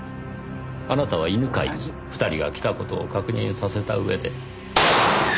あなたは犬飼に２人が来た事を確認させた上で。